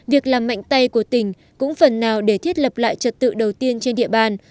việc làm mạnh tay của tỉnh cũng phần nào để thiết lập lại trật tự đầu tiên trên địa bàn